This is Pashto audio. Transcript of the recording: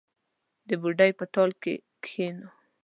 د بوډۍ په ټال کې کښېنو